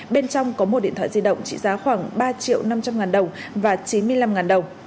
bên trong có một điện thoại di động trị giá khoảng ba triệu năm trăm linh ngàn đồng và chín mươi năm đồng